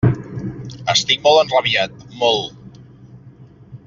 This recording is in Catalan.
Estic molt enrabiat, molt!